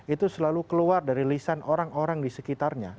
itu selalu keluar dari lisan orang orang di sekitarnya